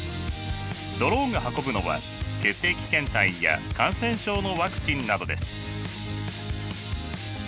ドローンが運ぶのは血液検体や感染症のワクチンなどです。